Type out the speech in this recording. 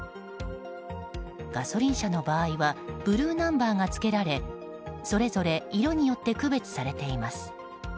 ガソリン車の場合はブルーナンバーがつけられそれぞれ色によって区別されています。